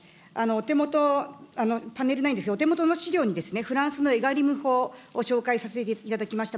お手元、パネルないんですが、お手元の資料に、フランスの法を紹介させていただきました。